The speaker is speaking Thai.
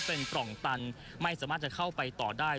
เป็นปล่องตันไม่สามารถจะเข้าไปต่อได้